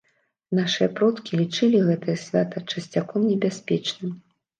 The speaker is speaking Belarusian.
Нашыя продкі лічылі гэтае свята часцяком небяспечным.